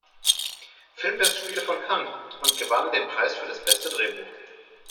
Filmfestspiele von Cannes und gewann den Preis für das beste Drehbuch.